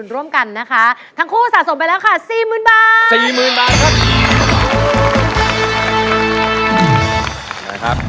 ร้องได้ให้ร้างร้องได้ให้ร้าง